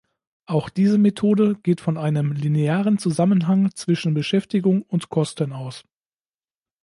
Auch diese Methode geht von einem linearen Zusammenhang zwischen Beschäftigung und Kosten aus.